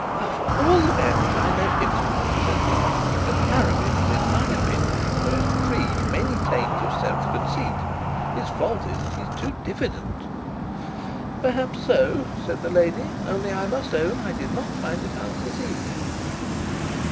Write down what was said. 'Of all the men that I know intimately,' said the archdeacon, 'Arabin is, in my opinion, the most free from any taint of self conceit. His fault is that he's too diffident.' 'Perhaps so,' said the lady; 'only I must own I did not find it out this evening.'